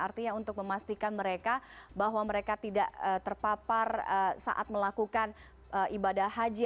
artinya untuk memastikan mereka bahwa mereka tidak terpapar saat melakukan ibadah haji